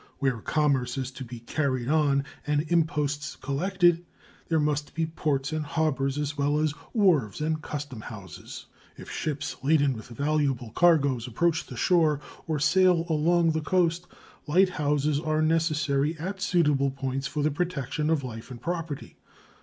Where commerce is to be carried on and imposts collected there must be ports and harbors as well as wharves and custom houses. If ships laden with valuable cargoes approach the shore or sail along the coast, light houses are necessary at suitable points for the protection of life and property.